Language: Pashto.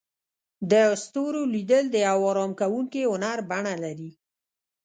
د ستورو لیدل د یو آرام کوونکي هنر بڼه لري.